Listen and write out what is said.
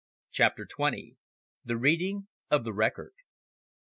CHAPTER TWENTY. THE READING OF THE RECORD.